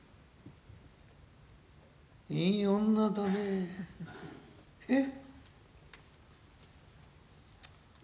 「いい女だねえ。えっ」。